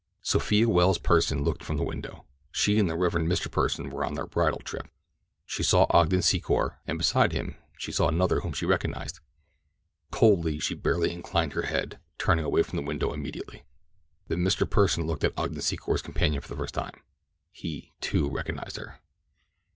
Sophia Welles Pursen looked from the window—she and the Rev. Mr. Pursen were on their bridal trip. She saw Ogden Secor and beside him she saw another whom she recognized. Coldly she barely inclined her head, turning away from the window immediately. Then Mr. Pursen looked at Ogden Secor's companion for the first time. He, too, recognized her.